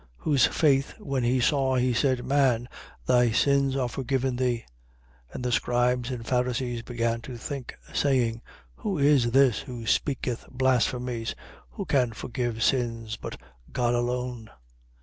5:20. Whose faith when he saw, he said: Man, thy sins are forgiven thee. 5:21. And the scribes and Pharisees began to think, saying: Who is this who speaketh blasphemies? Who can forgive sins, but God alone?